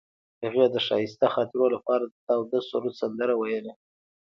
هغې د ښایسته خاطرو لپاره د تاوده سرود سندره ویله.